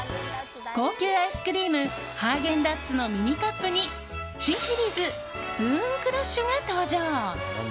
高級アイスクリームハーゲンダッツのミニカップに新シリーズＳＰＯＯＮＣＲＵＳＨが登場。